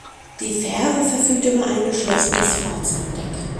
Die Fähre verfügt über ein geschlossenes Fahrzeugdeck.